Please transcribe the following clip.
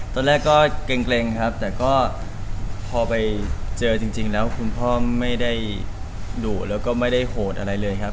ตอนแรกก็เกร็งครับแต่ก็พอไปเจอจริงแล้วคุณพ่อไม่ได้ดุแล้วก็ไม่ได้โหดอะไรเลยครับ